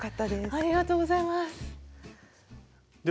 ありがとうございます。